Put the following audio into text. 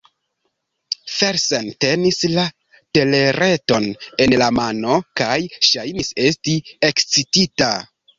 Felsen tenis la telereton en la mano kaj ŝajnis esti ekscitita.